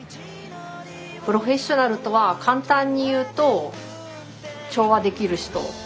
プロフェッショナルとは簡単に言うと調和できる人。